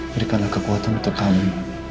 berikanlah kekuatan untuk kami